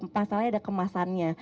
pasalnya ada kemasannya